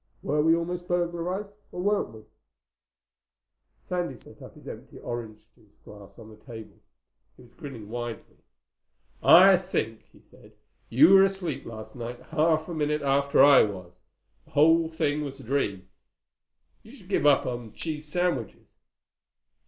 Were we almost burglarized—or weren't we?" Sandy set his empty orange juice glass on the table. He was grinning widely. "I think," he said, "you were asleep last night half a minute after I was. The whole thing was a dream. You should give up cheese sandwiches."